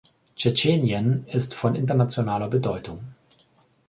Tschetschenien ist von internationaler Bedeutung.